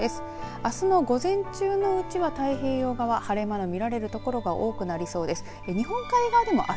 あすの午前中のうちは太平洋側、晴れ間の見られる所が多くなりそうです。